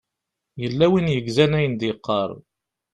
Yella win yegzan ayen d-yeqqar.